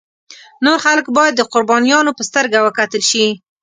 نور خلک باید د قربانیانو په سترګه وکتل شي.